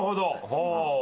ほう！